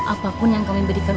apapun yang kami berikan